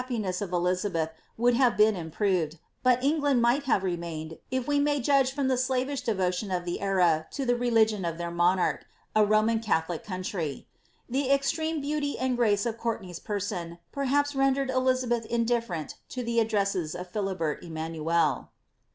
the personal character and happiness of Elizabeth would have been im proved, but England might have remained, if we may judge from the slavish devotion of the era to the religion of their monarch, a Roman catliolic country. The extreme beauty and grace of Courtenay's per son, perha{>s rendered Elizabeth indifferent to the addresses of Philibert Emanuel.